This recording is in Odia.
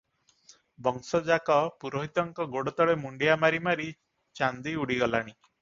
ବଂଶଯାକ ପୁରୋହିତଙ୍କ ଗୋଡ଼ତଳେ ମୁଣ୍ଡିଆ ମାରି ମାରି ଚାନ୍ଦି ଉଡିଗଲାଣି ।